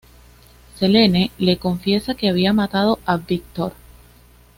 Selene le confiesa que había matado a Viktor.